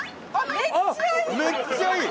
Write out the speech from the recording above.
めっちゃいい！